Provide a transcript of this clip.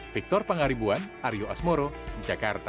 victor pangaribuan aryo asmoro jakarta